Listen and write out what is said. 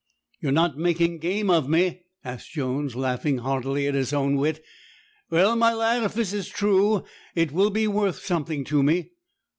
'You are not making game of me?' asked Jones, laughing heartily at his own wit. 'Well, my lad, if this is true, it will be worth something to me.